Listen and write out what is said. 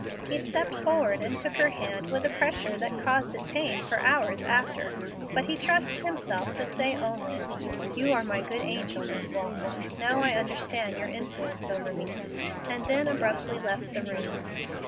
He stepped forward and took her hand with a pressure that caused it pain for hours after, but he trusted himself to say only, "You are my good angel, Miss Walton. Now I understand your influence over me," and then abruptly left the room.